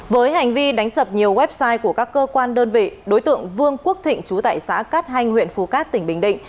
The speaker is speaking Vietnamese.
với hành vi đánh sập nhiều website của các cơ quan đơn vị đối tượng vương quốc thịnh chú tại xã cát hanh huyện phú cát tỉnh bình định